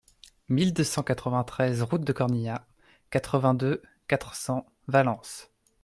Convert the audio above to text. mille deux cent quatre-vingt-treize route de Cornillas, quatre-vingt-deux, quatre cents, Valence